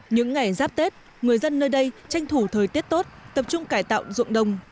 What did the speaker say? những ngày giáp tết người dân nơi đây tranh thủ thời tết tốt tập trung cải tạo dụng đồng